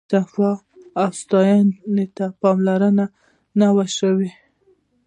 صفایي او ساتنې ته پاملرنه نه وه شوې.